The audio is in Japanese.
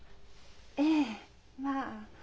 ええまあ。